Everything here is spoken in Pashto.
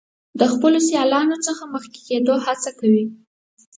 د خپلو سیالانو څخه د مخکې کیدو هڅه کوي.